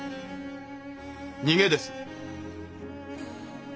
逃げです！